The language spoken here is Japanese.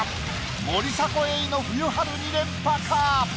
森迫永依の冬春２連覇か？